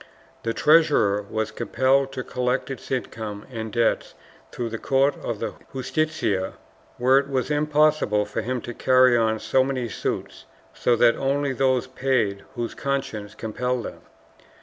The treasurer was compelled to collect its income and debts through the court of the Justicia, where it was impossible for him to carry on so many suits, so that only those paid whose consciences compelled them.